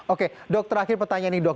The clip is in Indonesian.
oke dok terakhir pertanyaan nih dok